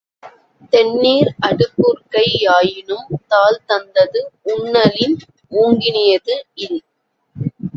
தெண்ணீர் அடுபுற்கை யாயினும் தாள்தந்தது உண்ணலின் ஊங்கினியது இல்.